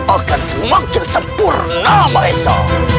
akan semakin sempurna maesha